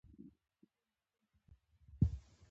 غزني د افغانستان د طبعي سیسټم توازن ساتي.